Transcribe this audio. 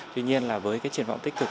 tuy nhiên là với cái triển vọng tích cực